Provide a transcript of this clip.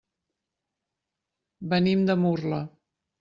Venim de Murla.